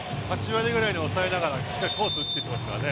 ８割ぐらいに抑えながら、しっかりコースに打ってきますからね。